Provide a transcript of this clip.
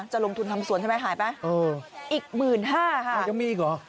จะลงทุนทำสวนใช่ไหมหายไปอีก๑๕๐๐๐ค่ะอาจจะมีอีกเหรอ